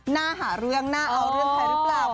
หน้าหาเรื่องน่าเอาเรื่องใครหรือเปล่า